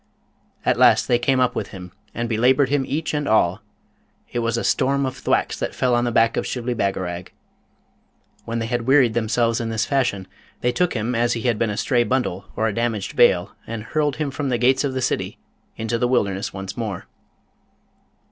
At last they came up with him, and belaboured him each and all; it was a storm of thwacks that fell on the back of Shibli Bagarag. When they had wearied themselves in this fashion, they took him as had he been a stray bundle or a damaged bale, and hurled him from the gates of the city into the wilderness once more.